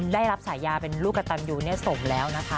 ได้รับฉายาเป็นลูกกระตันยูสมแล้วนะคะ